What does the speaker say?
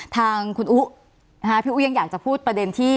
ทางคุณอุ๊พี่อุ๊ยังอยากจะพูดประเด็นที่